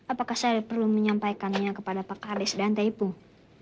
apakah saya perlu menyampaikannya kepada pak kades dan tepung